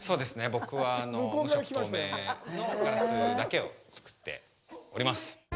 僕は無色透明のガラスだけを作っております